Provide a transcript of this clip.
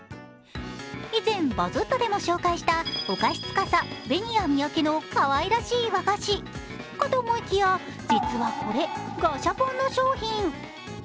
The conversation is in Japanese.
以前バズったでも紹介した御菓子司紅谷三宅のかわいらしい和菓子かと思いきや実はこれガシャポンの商品。